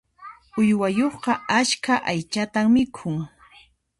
Uywayuqqa askha aychatan mikhun.